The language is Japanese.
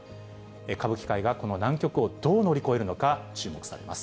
歌舞伎界がこの難局をどう乗り越えるのか注目されます。